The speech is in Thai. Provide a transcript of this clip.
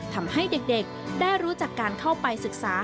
ทำให้เด็กได้รู้จักการเข้าไปศึกษา